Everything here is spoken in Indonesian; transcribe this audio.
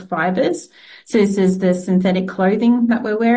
jadi ini adalah pakaian sintetik yang kita pakai dan fibra kecil yang keluar dari pakaian